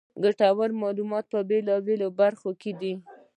ګټورمعلومات په بېلا بېلو برخو کې دي.